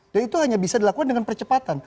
dan itu hanya bisa dilakukan dengan percepatan